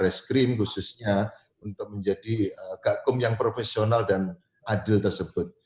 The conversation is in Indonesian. kita di bares krim khususnya untuk menjadi gakkum yang profesional dan adil tersebut